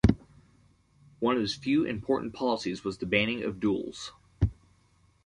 One of his few important policies was the banning of duels.